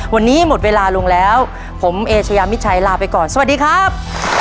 วันนี้หมดเวลาลงแล้วผมเอเชยามิชัยลาไปก่อนสวัสดีครับ